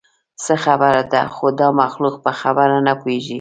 څه خبره ده؟ خو دا مخلوق په خبره نه پوهېږي.